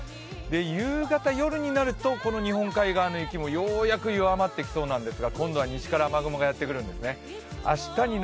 夕方、夜になるとこの日本海側の雪もようやく弱まってきそうなんですが今度は西から雨雲がやってくるんですよね。